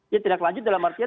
dia tidak lanjut dalam artian